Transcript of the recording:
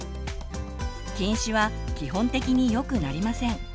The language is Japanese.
近視は基本的によくなりません。